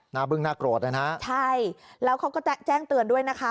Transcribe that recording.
หน้าบึ้งน่ากรวดนะฮะใช่แล้วเขาก็แจ้งเตือนด้วยนะคะ